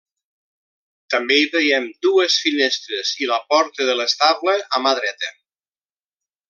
També hi veiem dues finestres i la porta de l'estable a mà dreta.